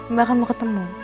mbak akan mau ketemu